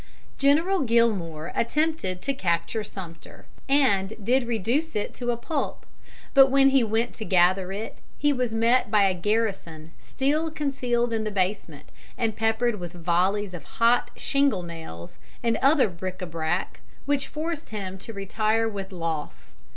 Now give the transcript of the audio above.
General Gillmore attempted to capture Sumter, and did reduce it to a pulp, but when he went to gather it he was met by a garrison still concealed in the basement, and peppered with volleys of hot shingle nails and other bric à brac, which forced him to retire with loss.